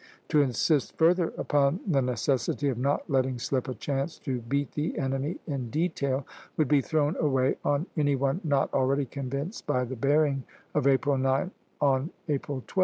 To insist further upon the necessity of not letting slip a chance to beat the enemy in detail, would be thrown away on any one not already convinced by the bearing of April 9 on April 12.